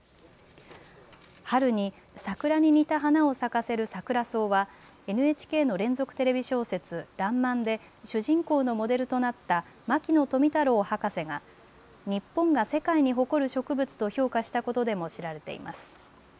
春に桜に似た花を咲かせるサクラソウはＮＨＫの連続テレビ小説、らんまんで主人公のモデルとなった牧野富太郎博士が日本が世界に誇る植物と評価したことでも知られています。